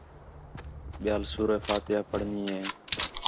ٻِیال سورۃ فاتحہ پڑھݨی ہے